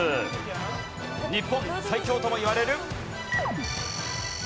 日本最強ともいわれる。